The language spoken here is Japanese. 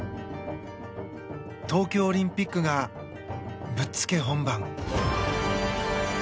東京オリンピックがぶっつけ本番。